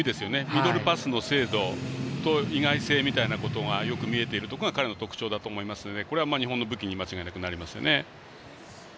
ミドルパスの精度意外性みたいなことがよく見えているところが彼の特徴だと思うのでこれは日本の武器に間違いなくなりますよね。